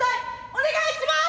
お願いします！」。